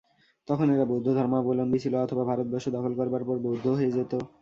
তখন এরা বৌদ্ধধর্মাবলম্বী ছিল, অথবা ভারতবর্ষ দখল করবার পর বৌদ্ধ হয়ে যেত।